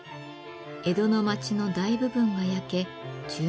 江戸の町の大部分が焼け１０万